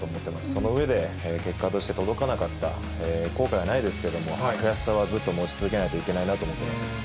その上で、結果として届かなかった、後悔はないですけども、悔しさはずっと持ち続けないといけないなと思ってます。